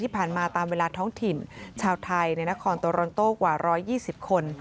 ที่ผ่านมาตามเวลาท้องถิ่นชาวไทยในนครโตรนโตกว่าร้อยยี่สิบคน